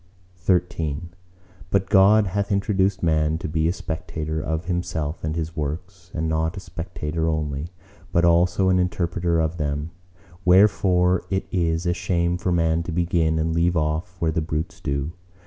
XIII But God hath introduced Man to be a spectator of Himself and of His works; and not a spectator only, but also an interpreter of them. Wherefore it is a shame for man to begin and to leave off where the brutes do.